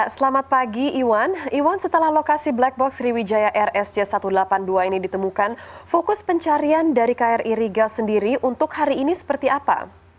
selamat pagi iwan iwan setelah lokasi black box sriwijaya rsj satu ratus delapan puluh dua ini ditemukan fokus pencarian dari kri rigas sendiri untuk hari ini seperti apa